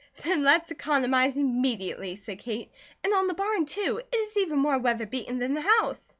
"Then let's economize immediately," said Kate. "And on the barn, too. It is even more weather beaten than the house."